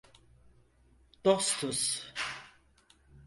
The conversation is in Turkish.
Dostuz!